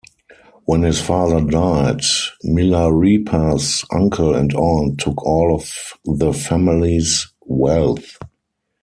When his father died, Milarepa's uncle and aunt took all of the family's wealth.